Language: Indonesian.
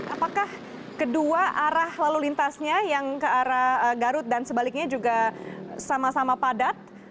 apakah kedua arah lalu lintasnya yang ke arah garut dan sebaliknya juga sama sama padat